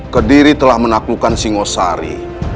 kediri telah menaklukkan singosari